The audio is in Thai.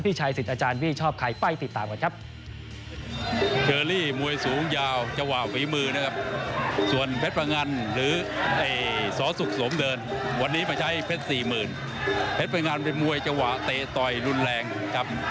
ชัยสิทธิ์อาจารย์พี่ชอบใครไปติดตามกันครับ